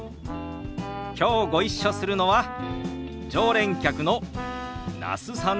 きょうご一緒するのは常連客の那須さんですよ。